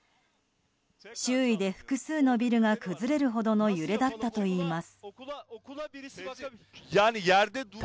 周囲で複数のビルが崩れるほどの揺れだったといいます。